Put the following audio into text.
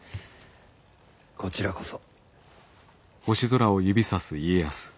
こちらこそ。